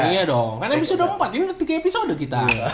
iya dong karena episode keempat ini tiga episode kita